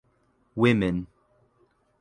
Women.